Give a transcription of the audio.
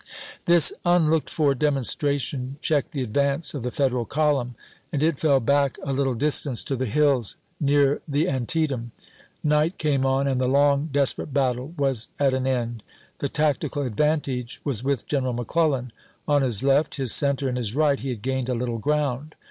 This unlooked for demonstration checked the advance of the Federal column, and it fell back a little distance to the hills near the Antietam. Night came on, and the lOng, desper ate battle was at an end. The tactical advantage was with General McClellan. On his left, his cen ter, and his right, he had gained a little ground.